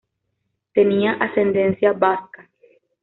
Tenía ascendencia vasca.